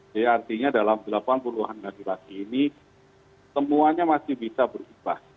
jadi artinya dalam delapan puluh an hari lagi ini semuanya masih bisa berubah